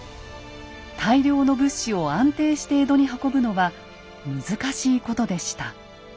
大量の物資を安定して江戸に運ぶのは難しいことでした。